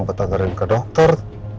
minta diantarin ke dokter